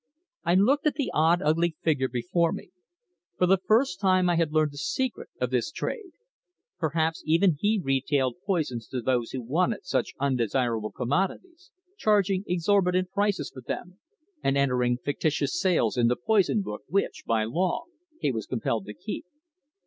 I looked at the odd, ugly figure before me. For the first time I had learned the secret of this trade. Perhaps even he retailed poisons to those who wanted such undesirable commodities, charging exorbitant prices for them, and entering fictitious sales in the poison book which, by law, he was compelled to keep.